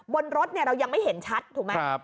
บนรถเรายังไม่เห็นชัดถูกไหม